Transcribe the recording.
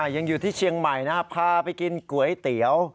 ยังอยู่ที่เชียงใหม่นะพาไปกินก๋วยเตี๋ยว